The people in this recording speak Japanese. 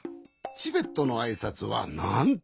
チベットのあいさつはなんと。